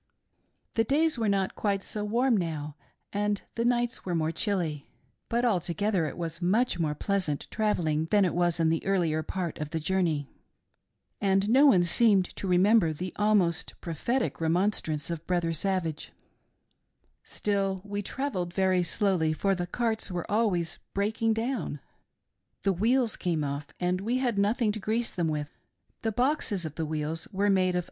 The days were not quite so warm now, and the nights were more chilly ; but altogether it was much more pleasant travelling than it was in the earlier part of the journey, and no one seemed to remember the almost prophetic remonstrance of Brother Savage* " Still we travelled very slowly, for the carts were always breaking down ; the wheels came off, and we had nothing to grease them with. The boxes of the wheels were made of.